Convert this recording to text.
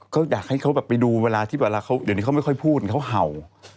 ก็อยากให้เขาแบบไปดูเวลาที่แบบเวลาเขาเดี๋ยวนี้เขาไม่ค่อยพูดเขาเห่า